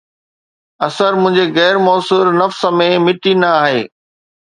اثر منهنجي غير موثر نفس ۾ مٽي نه آهي